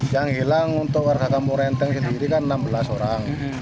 yang hilang untuk warga kampung renteng sendiri kan enam belas orang